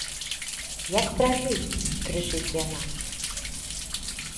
Як пражыць, крычыць яна.